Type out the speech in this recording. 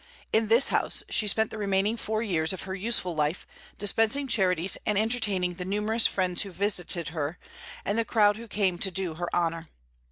In this house she spent the remaining four years of her useful life, dispensing charities, and entertaining the numerous friends who visited her, and the crowd who came to do her honor.